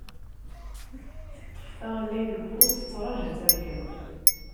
Teṭṭef taɣellayt deg ufus, tettraju ad terkem.